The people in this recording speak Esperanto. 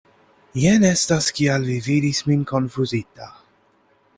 Jen estas kial vi vidis min konfuzita.